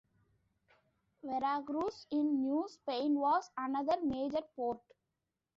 Veracruz in New Spain was another major port.